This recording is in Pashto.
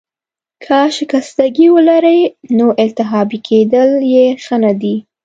که شکستګي ولرې، نو التهابي کیدل يې ښه نه دي.